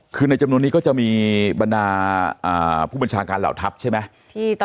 คือในจำนวนนี้ก็จะมีบรรดาผู้บัญชาการเหล่าทัพใช่ไหม